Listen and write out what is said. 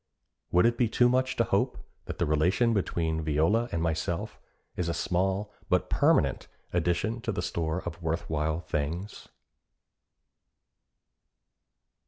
Would it be too much to hope that the relation between Viola and myself is a small but permanent addition to the store of worth while things?